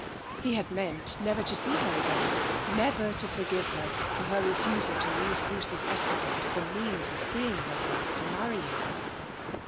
He had meant never to see her again, never to forgive her for her refusal to use Bruce's escapade as a means of freeing herself, to marry him.